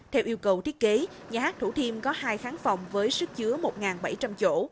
theo yêu cầu thiết kế nhà hát thủ thiêm có hai kháng phòng với sức chứa một bảy trăm linh chỗ